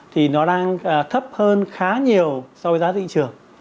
thì nó đang thấp hơn khá nhiều so với giá thị trường